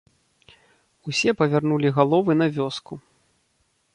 Усе павярнулі галовы на вёску.